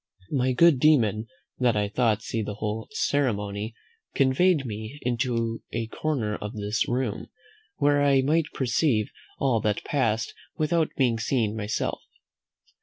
My good demon, that I might see the whole ceremony, conveyed me to a corner of this room, where I might perceive all that passed without being seen myself.